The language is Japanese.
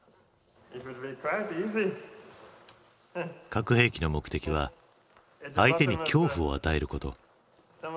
核兵器の目的は相手に「恐怖」を与えること。